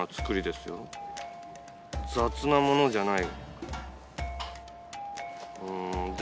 雑なものじゃない。